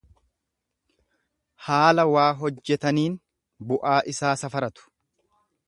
Haala waa hojjetaniin bu'aa isaa safaratu.